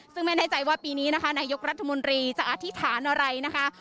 ซึ่งไม่แน่ใจว่าปีนี้นะคะนายกรัฐมนตรีจะอธิษฐานอะไรนะคะ